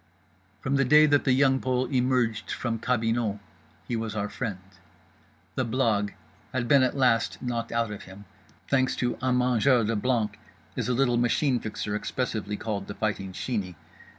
From the day that The Young Pole emerged from cabinot he was our friend. The blague had been at last knocked out of him, thanks to Un Mangeur de Blanc, as the little Machine Fixer expressively called The Fighting Sheeney.